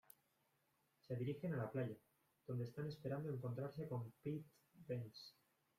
Se dirigen a la playa, donde están esperando encontrarse con Pete Wentz.